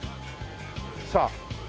さあ。